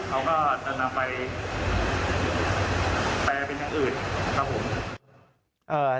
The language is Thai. เขาก็จะนำไปแปลเป็นอย่างอื่นครับผม